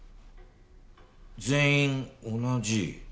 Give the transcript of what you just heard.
全員同じ。